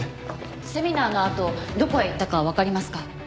セミナーのあとどこへ行ったかわかりますか？